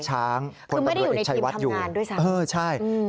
คือไม่ได้อยู่ในทีมทำงานด้วยสักครั้งพลตำรวจเอกชายวัดอยู่คือไม่ได้อยู่ในทีมทำงานด้วยสักครั้ง